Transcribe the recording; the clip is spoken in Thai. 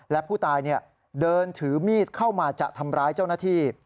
และผู้ตายเดินถือมีดเข้ามาจะทำร้ายเจ้าหน้าที่